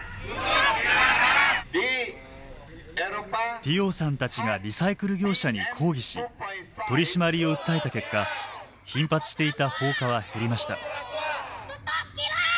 ティオーさんたちがリサイクル業者に抗議し取締りを訴えた結果頻発していた放火は減りました。